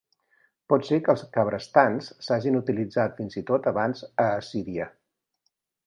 Pot ser que els cabrestants s'hagin utilitzat fins i tot abans a Assíria.